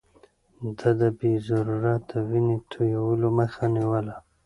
ده د بې ضرورته وينې تويولو مخه نيوله.